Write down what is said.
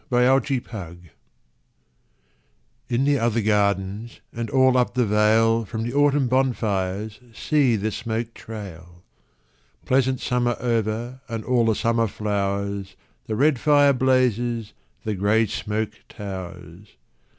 VI Autumn Fires In the other gardens And all up the vale, From the autumn bonfires See the smoke trail! Pleasant summer over And all the summer flowers, The red fire blazes, The grey smoke towers.